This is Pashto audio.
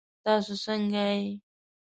تاسو ځنګه يئ؟